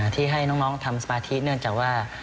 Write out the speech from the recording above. ที่ให้น้องทำสมาธิเนื่องจากว่า